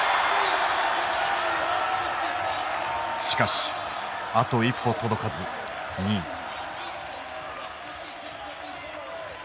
しかしあと一歩届かず２位。